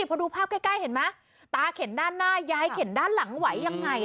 พอดูภาพใกล้เห็นไหมตาเข็นด้านหน้ายายเข็นด้านหลังไหวยังไง